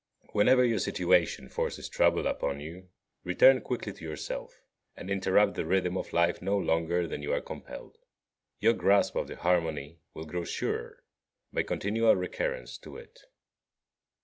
11. Whenever your situation forces trouble upon you, return quickly to yourself, and interrupt the rhythm of life no longer than you are compelled. Your grasp of the harmony will grow surer by continual recurrence to it.